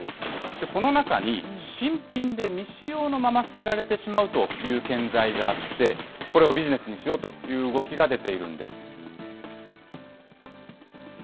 この中に新品で未使用のまま捨てられてしまうという建材があって、これをビジネスにしようという動きが出ているんです。